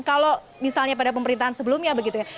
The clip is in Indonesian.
kalau misalnya pada pemerintahan sebelumnya begitu ya